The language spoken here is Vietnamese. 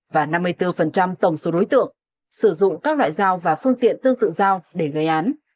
và năm mươi bốn tổng số đối tượng sử dụng các loại dao và phương tiện tương tự dao để gây án